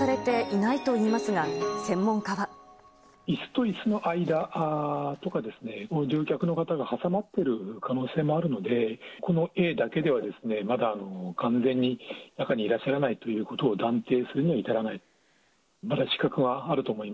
いすといすの間とか、乗客の方が挟まってる可能性もあるので、この絵だけでは、まだ完全に中にいらっしゃらないということを断定するには至らない。